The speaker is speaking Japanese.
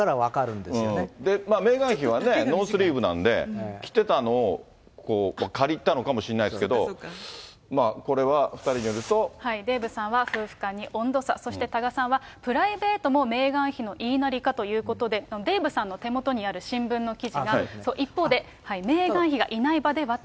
メーガン妃はね、ノースリーブなんで、着てたのをこう借りたのかもしれないけども、まあこれは、２人にデーブさんは夫婦間に温度差、そして多賀さんは、プライベートもメーガン妃の言いなりかということで、デーブさんの手元にある新聞の記事が、一方で、メーガン妃がいない場ではと。